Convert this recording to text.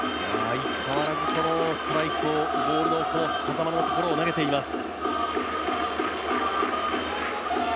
相変わらずストライクとボールの狭間のところを投げています。